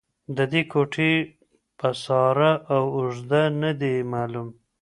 د دې کوټې پساره او اږده نه دې معلوم